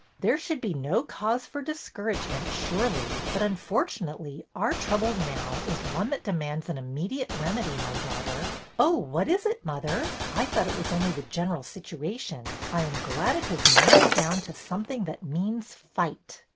There should be no cause for discouragement, surely, but, unfortunately, our trouble now is one that demands an immediate remedy, my daughter." " Oh, what is it, mother ? I thought it was only the general situation. I am glad it has narrowed down to something that means fight."